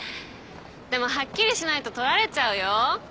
でもはっきりしないと取られちゃうよ。